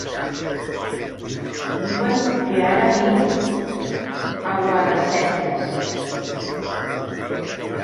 Diuen que ara viu a Guadasséquies.